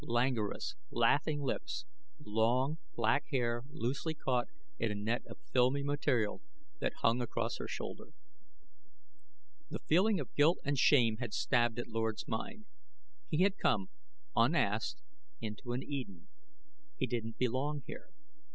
Languorous, laughing lips; long, black hair loosely caught in a net of filmy material that hung across her shoulder. The feeling of guilt and shame had stabbed at Lord's mind. He had come, unasked, into an Eden. He didn't belong here.